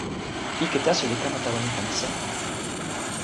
ike taso li kama tawa mi tan seme?